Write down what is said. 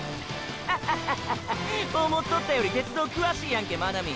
ッハハハハハ思っとったより鉄道詳しいやんけ真波！